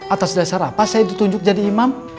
atas dasar apa saya ditunjuk jadi imam